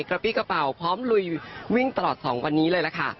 กระเป๋าปี้กระเป๋าพร้อมลุยวิ่งตลอด๒วันนี้เลยล่ะค่ะ